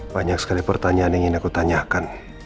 banyak sekali pertanyaan yang ingin aku tanyakan